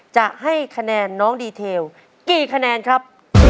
จะให้คะแนนน้องดีเทลกี่คะแนนครับ